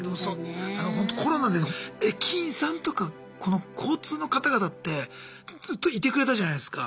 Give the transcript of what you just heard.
ほんとコロナで駅員さんとかこの交通の方々ってずっといてくれたじゃないすか。